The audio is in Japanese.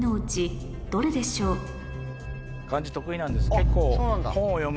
結構。